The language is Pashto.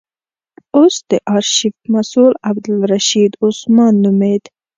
اوس د آرشیف مسئول عبدالرشید عثمان نومېد.